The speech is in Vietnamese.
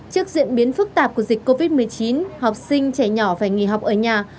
trước diễn biến phức tạp của dịch covid một mươi chín học sinh trẻ nhỏ phải nghỉ học ở nhà